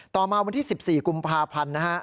ต่อมาวันที่๑๔กุมภาพันธ์นะฮะ